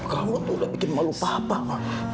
kamu tuh udah bikin malu papa